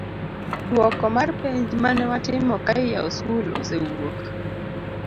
duoko mar penj manewatimo ka iyawo skul osewuok